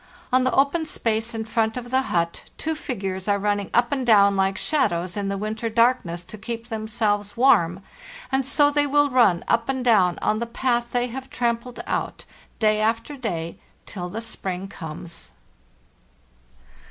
On the open space in front of the hut two figures are running up and down lke shadows in the winter darkness to keep themselves warm, and so they will run up and down on the path they have trampled out, day after day, till the spring comes.